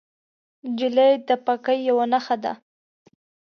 نجلۍ د پاکۍ یوه نښه ده.